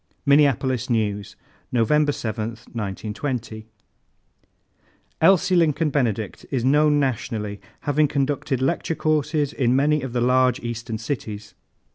Minneapolis News, November 7, 1920. "Elsie Lincoln Benedict is known nationally, having conducted lecture courses in many of the large Eastern cities.